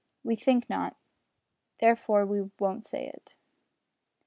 We think not; therefore we won't say it.